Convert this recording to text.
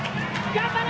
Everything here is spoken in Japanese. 頑張れ！